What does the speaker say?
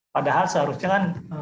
padahal seharusnya kan